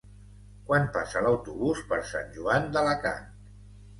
Quan passa l'autobús per Sant Joan d'Alacant?